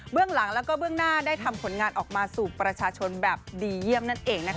เบื้องหลังและเบื้องหน้าได้ทำผลงานออกมาสู่ประชาชนแบบดีเยี่ยมนั่นเอง